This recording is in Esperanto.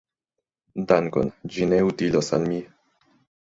Dankon; ĝi ne utilos al mi.